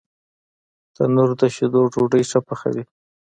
تنور د شیدو ډوډۍ ښه پخوي